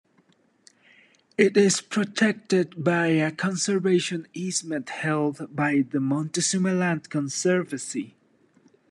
It is protected by a conservation easement held by the Montezuma Land Conservancy.